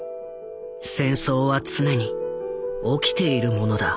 戦争は常に「起きている」ものだ。